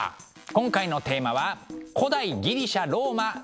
今回のテーマは「古代ギリシャ・ローマ旅のしおり」。